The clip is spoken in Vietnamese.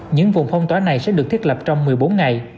những vùng phong tỏa này sẽ được thiết lập trong một mươi bốn ngày